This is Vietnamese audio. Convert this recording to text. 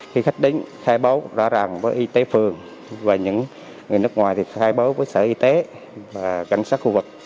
khi khách đến khai báo rõ ràng với y tế phường và những người nước ngoài thì khai báo với sở y tế và cảnh sát khu vực